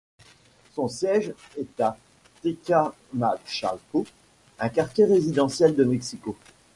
Son siège est à Tecamachalco, un quartier résidentiel de Mexico.